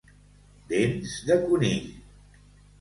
Dents de conill.